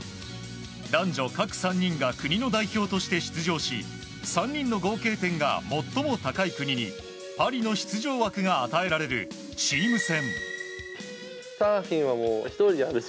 男女各３人が国の代表として出場し３人の合計点が最も高い国にパリの出場枠が与えられるチーム戦。